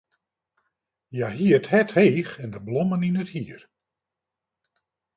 Hja hie it hert heech en blommen yn it hier.